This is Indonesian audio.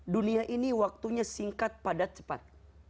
dunia ini waktunya singkat padat cepat